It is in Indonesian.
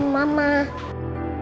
dua orang tapi